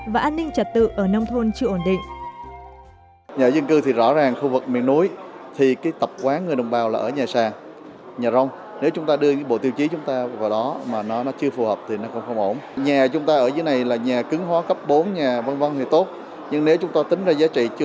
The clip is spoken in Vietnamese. và an ninh trật tự ở nông thôn chưa ổn định